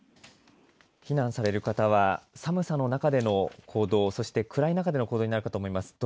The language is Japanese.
避難される方は寒さの中での行動をそして、暗い中での行動になると思います。